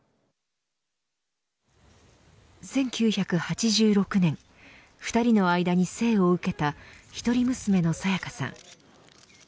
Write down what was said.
１９８６年２人の間に生を受けた一人娘の沙也加さん。